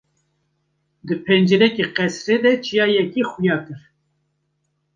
Di pencereke qesirê de çirayekê xuya kir.